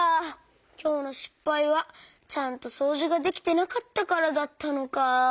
きょうのしっぱいはちゃんとそうじができてなかったからだったのか。